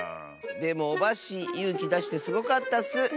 でもオバッシーゆうきだしてすごかったッス！